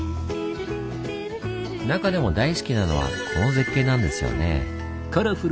中でも大好きなのはこの絶景なんですよね？